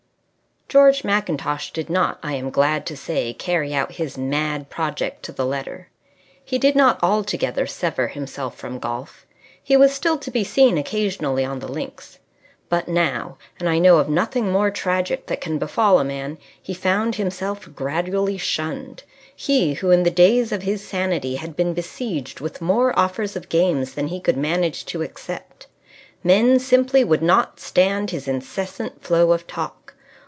George Mackintosh did not, I am glad to say, carry out his mad project to the letter. He did not altogether sever himself from golf. He was still to be seen occasionally on the links. But now and I know of nothing more tragic that can befall a man he found himself gradually shunned, he who in the days of his sanity had been besieged with more offers of games than he could manage to accept. Men simply would not stand his incessant flow of talk.